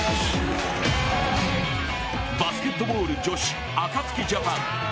バスケットボール女子、アカツキジャパン。